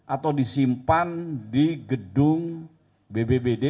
atau disimpan di gedung bbbd